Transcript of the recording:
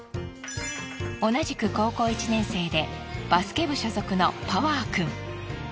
同じく高校１年生でバスケ部所属のパワーくん。